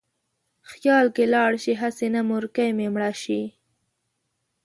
خیال کې لاړ شې: هسې نه مورکۍ مې مړه شي